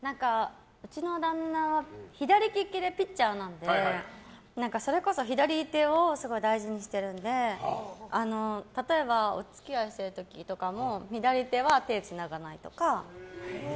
うちの旦那は左利きでピッチャーなのでそれこそ左手をすごい大事にしてるので例えばお付き合いをしてる時とかも左手は手をつながないとか。